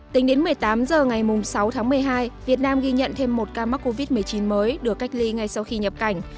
tính đến một mươi tám h ngày sáu tháng một mươi hai việt nam ghi nhận thêm một ca mắc covid một mươi chín mới được cách ly ngay sau khi nhập cảnh